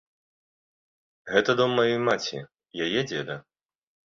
Гэта дом маёй маці, яе дзеда.